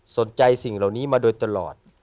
สิ่งเหล่านี้มาโดยตลอด